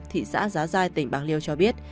thị xã giá giai tỉnh bạc liêu cho biết